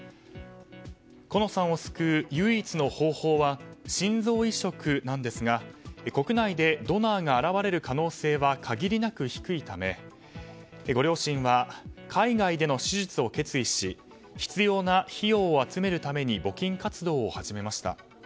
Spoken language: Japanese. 好乃さんを救う唯一の方法は心臓移植なんですが国内でドナーが現れる可能性は限りなく低いためご両親は海外での手術を決意し必要な費用を集めるために募金活動を始めました。